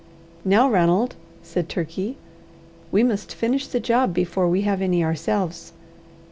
"Now, Ranald," said Turkey, "we must finish the job before we have any ourselves."